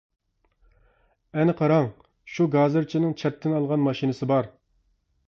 ئەنە قاراڭ شۇ گازىرچىنىڭ چەتتىن ئالغان ماشىنىسى بار.